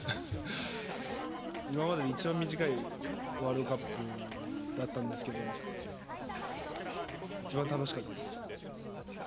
今までで一番短いワールドカップだったんですけど、一番楽しかったです。